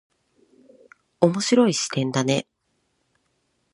面白い視点だね。